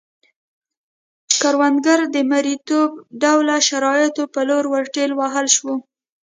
کروندګر د مریتوب ډوله شرایطو په لور ورټېل وهل شول